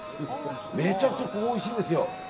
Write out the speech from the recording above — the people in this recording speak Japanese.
めちゃくちゃおいしいんですよ。